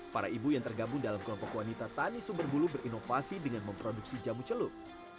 para ibu yang tergabung dalam kelompok wanita tani sumber bulu berinovasi dengan memproduksi jamu celup